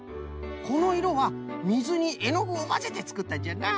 このいろはみずにえのぐをまぜてつくったんじゃな！